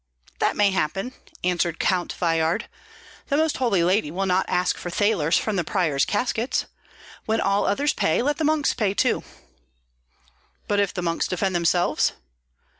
"That may happen," answered Count Veyhard. "The Most Holy Lady will not ask for thalers from the priors' caskets. When all others pay, let the monks pay too." "But if the monks defend themselves?"